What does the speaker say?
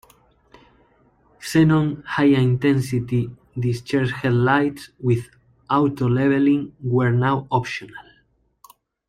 Xenon High-Intensity Discharge headlights with auto-leveling were now optional.